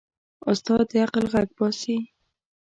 استاد د عقل غږ باسي.